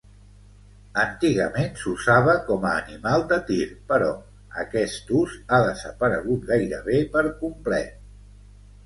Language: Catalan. Antigament s’usava com a animal de tir, però aquest ús ha desaparegut gairebé per complet.